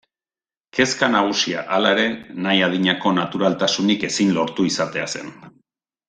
Kezka nagusia, halere, nahi adinako naturaltasunik ezin lortu izatea zen.